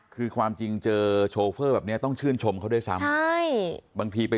คือความจริงเจอโชเฟอร์แบบนี้ต้องชื่นชมเขาด้วยซ้ำ